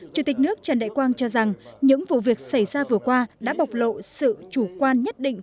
chủ tịch nước trần đại quang cho rằng những vụ việc xảy ra vừa qua đã bộc lộ sự chủ quan nhất định